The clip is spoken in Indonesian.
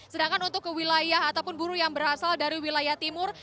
sedangkan untuk ke wilayah ataupun buruh yang berasal dari wilayah timur